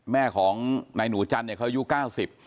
แม่ของนายหนูจันทร์เนี่ยเขาอายุ๙๐